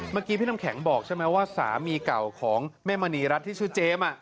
เมื่อกี้พี่น้ำแข็งบอกใช่ไหมว่าสามีเก่าของแม่มณีรัฐที่ชื่อเจมส์